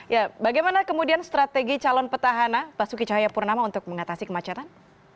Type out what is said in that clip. ya bagaimana kemudian strategi calon petahana pasuki cahaya purnama untuk mengatasi kemacetan